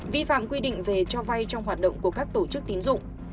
vi phạm quy định về cho vay trong hoạt động của các tổ chức tín dụng